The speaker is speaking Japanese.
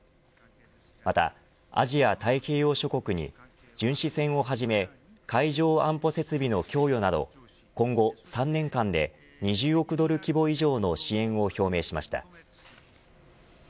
また、アジア太平洋諸国に巡視船をはじめ海上安保設備の供与など今後３年間で２０億ドル規模以上の支援を表明しました。